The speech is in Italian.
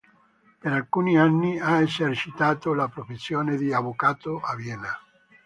Per alcuni anni ha esercitato la professione di avvocato a Vienna.